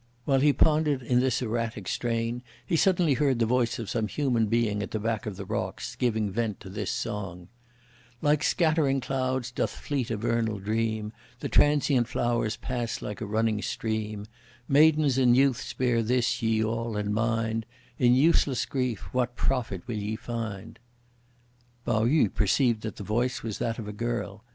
While he pondered in this erratic strain, he suddenly heard the voice of some human being at the back of the rocks, giving vent to this song: Like scattering clouds doth fleet a vernal dream; The transient flowers pass like a running stream; Maidens and youths bear this, ye all, in mind; In useless grief what profit will ye find? Pao yü perceived that the voice was that of a girl.